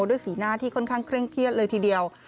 สีหน้าที่ค่อนข้างเคร่งเครียดเลยทีเดียว